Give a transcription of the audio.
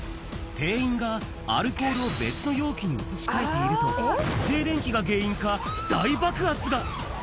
店員がアルコールを別の容器に移し替えていると、静電気が原因か、大爆発が。